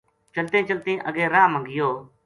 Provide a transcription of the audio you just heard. چلتیں چلتیں اَگے راہ ما گیو